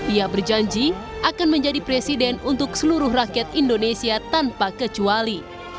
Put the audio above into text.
ia berjanji akan menjadi presiden untuk seluruh rakyat indonesia tanpa kecuali